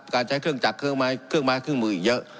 การใช้เครื่องจักรเครื่องไม้เครื่องไม้เครื่องมืออีกเยอะ